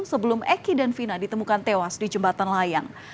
sebelum eki dan vina ditemukan tewas di jembatan layang